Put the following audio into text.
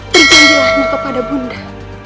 berjanjilahnya kepada bunda